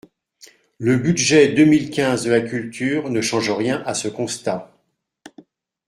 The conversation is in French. Le budget deux mille quinze de la culture ne change rien à ce constat.